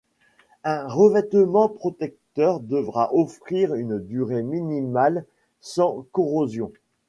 Un revêtement protecteur devra offrir une durée minimale sans corrosion.